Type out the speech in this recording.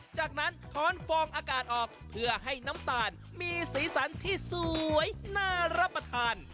จากนั้นท้อนฟองอากาศออกเพื่อให้น้ำตาลมีสีสันที่สวยน่ารับประทาน